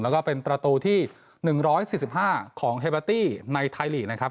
แล้วก็เป็นตราตูที่หนึ่งร้อยสิบห้าของเฮบาตี้ในไทยลีกนะครับ